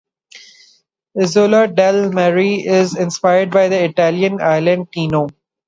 Isola del mare is inspired by the Italian island Tino.